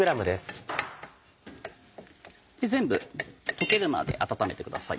全部溶けるまで温めてください。